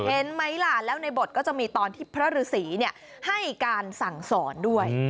เห็นไหมล่ะแล้วในบทก็จะมีตอนที่พระฤษีให้การสั่งสอนด้วย